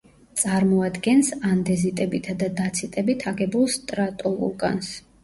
წარმოადგენს ანდეზიტებითა და დაციტებით აგებულ სტრატოვულკანს.